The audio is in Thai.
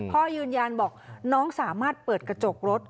พ่อยืนยันบอกน้องสามารถเปิดกระจกรถ